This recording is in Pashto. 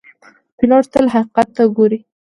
پیلوټ تل حقیقت ته ګوري.